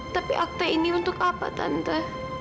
tapi akte ini untuk apa tante